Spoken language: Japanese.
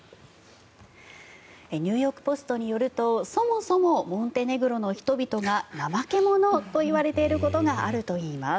ニューヨーク・ポストによるとそもそもモンテネグロの人々が怠け者といわれていることがあるといいます。